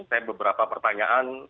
saya beberapa pertanyaan